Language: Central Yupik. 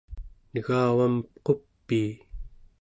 negavam qupii